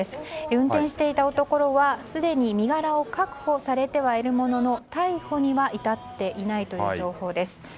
運転していた男はすでに身柄を確保されているものの逮捕には至っていないという情報です。